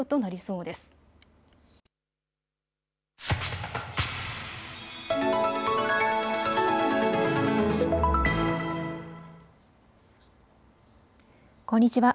こんにちは。